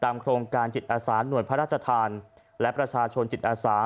โครงการจิตอาสาหน่วยพระราชทานและประชาชนจิตอาสา